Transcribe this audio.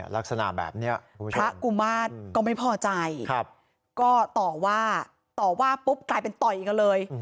ลักษณะแบบนี้พระกุมาตรก็ไม่พอใจก็ต่อว่าต่อว่าปุ๊บกลายเป็นต่อยกันเลย